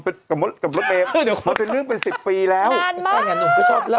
กับกับรถเบบมันเป็นเรื่องเป็นสิบปีแล้วนานมากใช่ไงหนุ่มก็ชอบเล่า